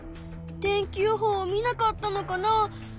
天気予報を見なかったのかな？